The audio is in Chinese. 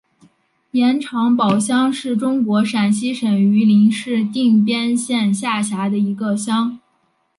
盐场堡乡是中国陕西省榆林市定边县下辖的一个乡。